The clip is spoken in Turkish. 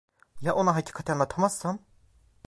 Ya ona hakikati anlatamazsam!